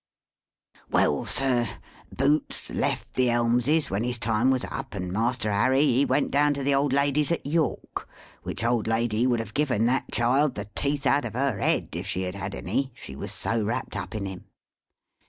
Well, sir! Boots left the Elmses when his time was up, and Master Harry, he went down to the old lady's at York, which old lady would have given that child the teeth out of her head (if she had had any), she was so wrapped up in him.